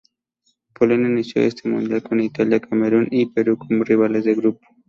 Polonia inició este mundial con Italia, Camerún y Perú como rivales de grupo.